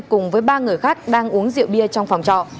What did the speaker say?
cùng với ba người khác đang uống rượu bia trong phòng trọ